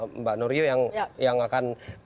mbak norio yang akan